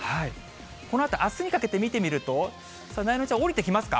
このあとあすにかけて見てみると、なえなのちゃん、下りてきますか。